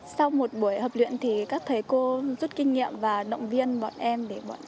sau một buổi hợp luyện thì các thầy cô rút kinh nghiệm và động viên bọn em